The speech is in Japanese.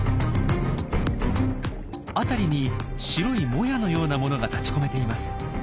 辺りに白いもやのようなものが立ちこめています。